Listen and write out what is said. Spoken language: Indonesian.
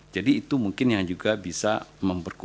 jadi itu mungkin yang juga bisa dianggap sebagai raja